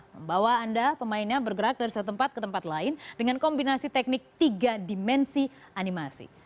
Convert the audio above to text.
membawa anda pemainnya bergerak dari satu tempat ke tempat lain dengan kombinasi teknik tiga dimensi animasi